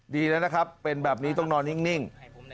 ดีแล้วนะครับเป็นแบบนี้ต้องนอนนิ่ง